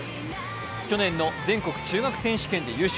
去年の全国中学選手権で優勝。